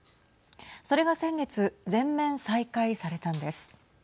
それが先月全面再開されたんです。